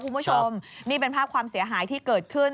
คุณผู้ชมนี่เป็นภาพความเสียหายที่เกิดขึ้น